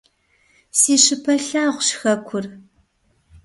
Си щыпэ лъагъущ хэкур.